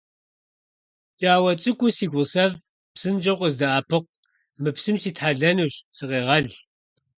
ПкӀауэ цӀыкӀуу си гъусэфӀ, псынщӀэу къыздэӀэпыкъу, мы псым ситхьэлэнущ, сыкъегъэл!